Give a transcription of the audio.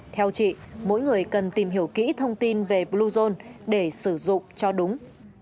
theo chị mỗi người cần tìm hiểu kỹ thông tin về bluezone để sử dụng cho đúng